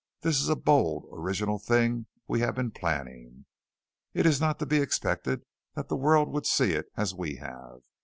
This is a bold, original thing we have been planning. It is not to be expected that the world would see it as we have.